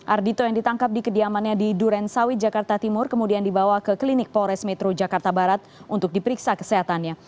ardhito yang ditangkap di kediamannya di duren sawit jakarta timur kemudian dibawa ke klinik polres metro jakarta barat untuk diperiksa kesehatannya